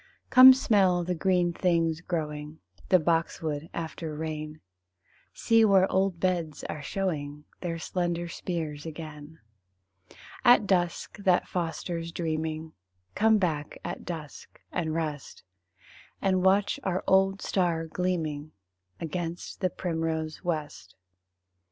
Come smell the green things growing, The boxwood after rain; See where old beds are showing Their slender spears again. At dusk, that fosters dreaming Come back at dusk and rest, And watch our old star gleaming Against the primrose west.